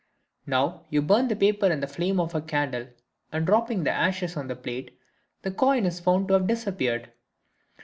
You now burn the paper in the flame of a candle, and, dropping the ashes on the plate the coin is found to have disappeared.